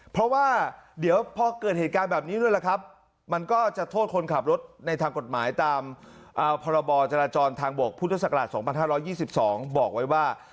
เพราะว่าเดี๋ยวพอเกิดเหตุการณ์แบบนี้ด้วยล่ะครับมันก็จะโทษคนขับรถในทางกฎหมายตามพรบจราจรทางบกพุทธศักราช๒๕๒๒บอกไว้ว่า